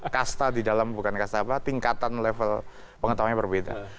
kasta di dalam bukan kasta apa tingkatan level pengetahuannya berbeda